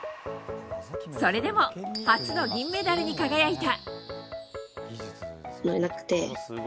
それでも、初の銀メダルに輝いた。